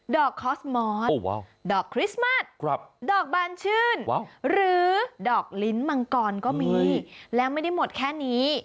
คอสมอสดอกคริสต์มัสดอกบานชื่นหรือดอกลิ้นมังกรก็มีแล้วไม่ได้หมดแค่นี้